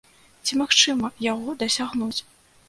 Ці магчыма яго дасягнуць?